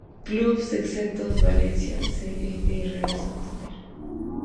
Clubes exentos: Valencia C. F. y Real Santander.